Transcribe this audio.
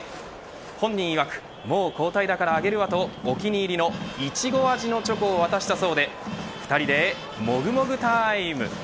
本人いわくもう交代だからあげるわとお気に入りのいちご味のチョコを渡したそうで２人でもぐもぐタイム。